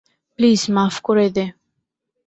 Please মাফ করে দে।